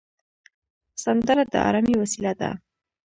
سندره د ارامۍ وسیله ده